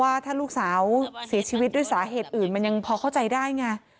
ว่าถ้าลูกสาวเสียชีวิตด้วยสาเหตุอื่นมันยังพอเข้าใจได้ไง